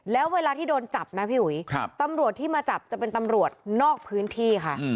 แล้วเวลาที่โดนจับนะพี่อุ๋ยตำรวจที่มาจับจะเป็นตำรวจนอกพื้นที่ค่ะ